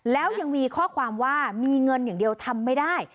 แล้วยังมีข้อความว่ามีเงินอย่างเดียวทำไม่ได้